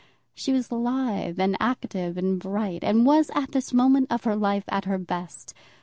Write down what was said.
She was lithe, and active, and bright, and was at this moment of her life at her best.